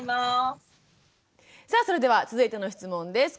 さあそれでは続いての質問です。